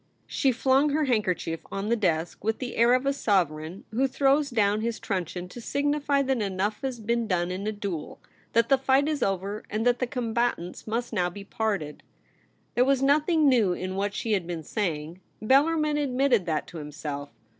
She flung her handkerchief on the desk with the air of a sovereign who throws down his truncheon to signify that enough has been 88 THE REBEL ROSE. done in a duel, that the fight is over, and that the combatants must now be parted. There was nothing new in what she had been saying. Bellarmin admitted that to him self.